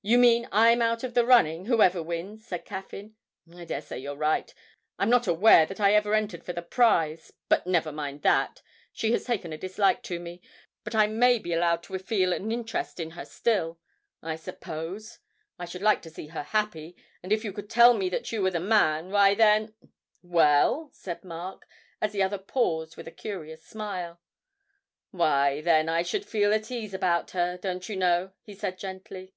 'You mean I'm out of the running, whoever wins?' said Caffyn. 'I daresay you're right; I'm not aware that I ever entered for the prize. But never mind that. She has taken a dislike to me, but I may be allowed to feel an interest in her still, I suppose. I should like to see her happy, and if you could tell me that you were the man, why then ' 'Well?' said Mark, as the other paused with a curious smile. 'Why, then I should feel at ease about her, don't you know,' he said gently.